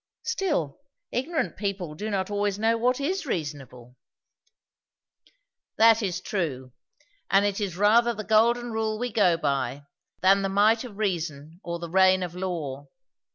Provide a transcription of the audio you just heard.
"Still, ignorant people do not always know what is reasonable." "That is true. And it is rather the Golden Rule we go by, than the might of Reason or the reign of Law."